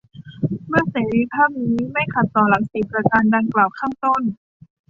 เมื่อเสรีภาพนี้ไม่ขัดต่อหลักสี่ประการดั่งกล่าวข้างต้น